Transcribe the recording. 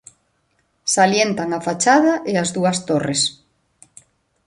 Salientan a fachada e as dúas torres.